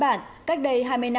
sau hai mươi ba ngày không phát hiện